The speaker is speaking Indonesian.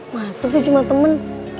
masa sih cuma temen